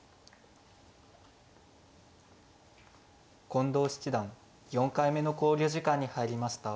近藤七段４回目の考慮時間に入りました。